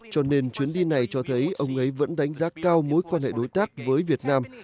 cho nên chuyến đi này cho thấy ông ấy vẫn đánh giá cao mối quan hệ đối tác với việt nam